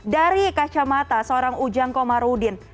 dari kacamata seorang ujang komarudin